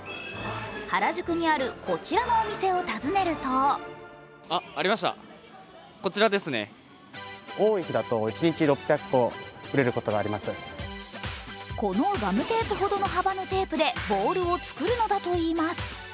原宿にあるこちらのお店を訪ねるとこのガムテープほどの幅のテープでボールを作るのだといいます。